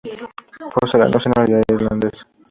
Posee la nacionalidad irlandesa.